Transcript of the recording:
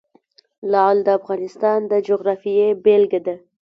لعل د افغانستان د جغرافیې بېلګه ده.